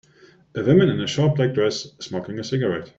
A woman in a short black dress smoking a cigarette.